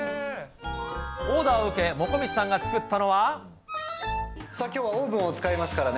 オーダーを受け、もこみちさんがさあ、きょうはオーブンを使いますからね。